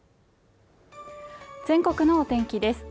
全国のお天気です